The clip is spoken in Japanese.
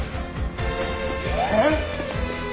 えっ！？